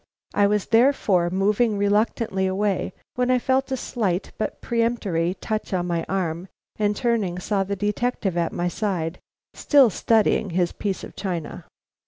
I was therefore moving reluctantly away, when I felt a slight but peremptory touch on the arm, and turning, saw the detective at my side, still studying his piece of china.